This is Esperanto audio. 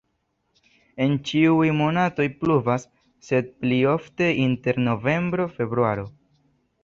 En ĉiuj monatoj pluvas, sed pli ofte inter novembro-februaro.